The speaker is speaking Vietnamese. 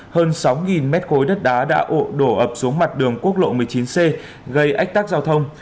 hơn sáu mét khối đất đá đã ồ đổ ập xuống mặt đường quốc lộ một mươi chín c gây ách tắc giao thông